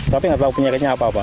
tapi nggak tahu penyakitnya apa apa